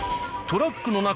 トラックの中？